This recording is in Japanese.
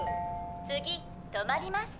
「次とまります」。